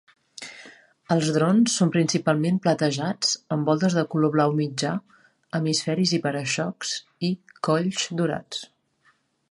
Els drones són principalment platejats amb voltes de color blau mitjà, hemisferis i para-xocs, i colls dorats.